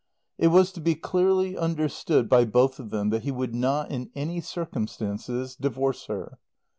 It was to be clearly understood by both of them that he would not, in any circumstances, divorce her.